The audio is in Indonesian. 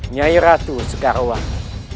nyai ratu sekarwang